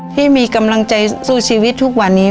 ที่มีกำลังใจสู้ชีวิตทุกวันนี้